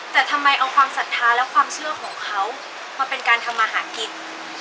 แต่ทำไมเอาความศรัทธาและความเชื่อของเขามาเป็นการทำมาหากิน